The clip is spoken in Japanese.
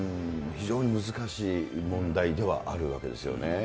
非常に難しい問題ではあるわけですよね。